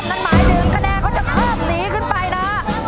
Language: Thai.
นั่นหมายดึงแนนก็จะเข้บหนีขึ้นไปนะ